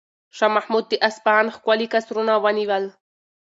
شاه محمود د اصفهان ښکلي قصرونه ونیول.